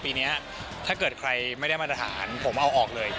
ปีนี้ถ้าเกิดใครไม่ได้มาตรฐานผมเอาออกเลย